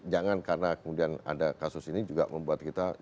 jangan karena kemudian ada kasus ini juga membuat kita